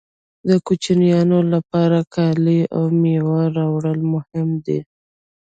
د کوچنیانو لپاره کالي او مېوه راوړل مهم دي